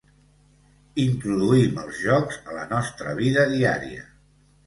Introduïm els jocs a la nostra vida diària.